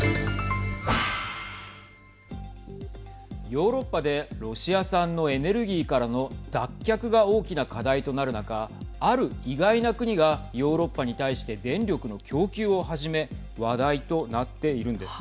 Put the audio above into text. ヨーロッパでロシア産のエネルギーからの脱却が大きな課題となる中ある意外な国がヨーロッパに対して電力の供給を始め話題となっているんです。